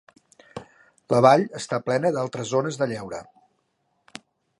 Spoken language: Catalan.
La vall està plena d"altres zones de lleure.